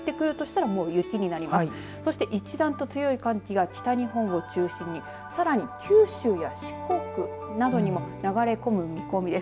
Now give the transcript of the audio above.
そして一段と強い寒気が北日本を中心にさらに九州や四国などにも流れ込む見込みです。